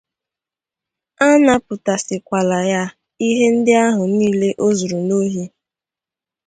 A napụtasịkwala ya ihe ndị ahụ niile o zùrù n'ohi